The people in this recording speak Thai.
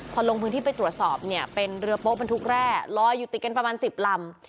พอลงพื้นที่ไปตรวจสอบเนี่ยเป็นเรือโป๊บรรทุกแร่ลอยอยู่ติดกันประมาณ๑๐ลำ